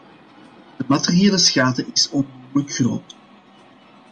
De materiële schade is onnoemelijk groot.